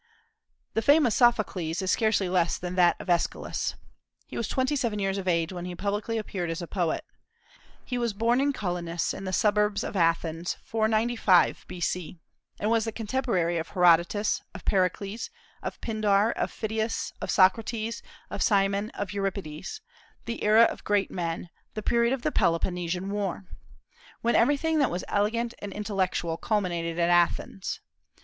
The fame of Sophocles is scarcely less than that of Aeschylus. He was twenty seven years of age when he publicly appeared as a poet. He was born in Colonus, in the suburbs of Athens, 495 B.C., and was the contemporary of Herodotus, of Pericles, of Pindar, of Phidias, of Socrates, of Cimon, of Euripides, the era of great men, the period of the Peloponnesian War, when everything that was elegant and intellectual culminated at Athens.